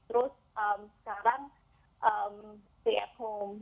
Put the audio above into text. terus sekarang stay at home